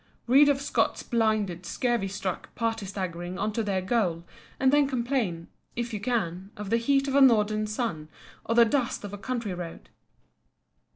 Read of Scott's blinded, scurvy struck party staggering on to their goal, and then complain, if you can, of the heat of a northern sun, or the dust of a country road.